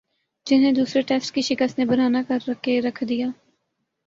جنہیں دوسرے ٹیسٹ کی شکست نے برہنہ کر کے رکھ دیا